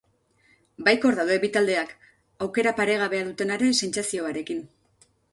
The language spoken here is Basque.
Baikor daude bi taldeak, aukera paregabea dutenaren sentsazioarekin.